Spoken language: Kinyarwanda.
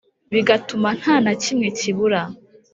bigatuma nta na kimwe kibura.